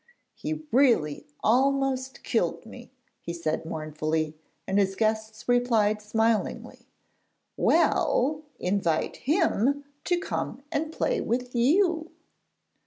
'He really almost killed me,' he said mournfully; and his guests replied smilingly, 'Well, invite him to come and play with you.'